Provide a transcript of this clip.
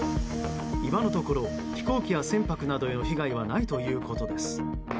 今のところ飛行機や船舶への被害はないということです。